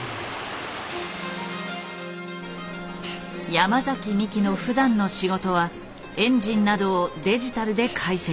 山美希のふだんの仕事はエンジンなどをデジタルで解析。